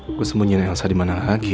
saya akan sembunyikan elsa di mana lagi